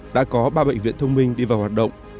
đã có ba bệnh viện thông minh đi vào hoạt động